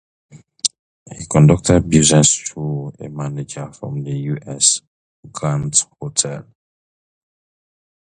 He conducted business through a messenger from the U. S. Grant Hotel.